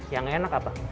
yang enak apa